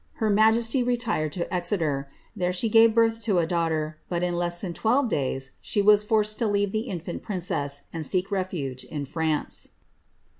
Her majesty retired to Exeter. There she ^ve birth to a daughter; but. in less than twelve days, she was forced to leave the infant princess, and seek refuge in France.